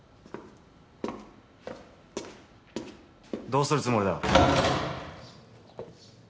どうするつもりだ？